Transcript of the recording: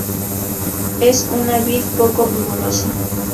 Es una vid poco vigorosa.